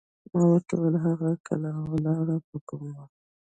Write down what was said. ما ورته وویل: هغه کله ولاړه، په کوم وخت؟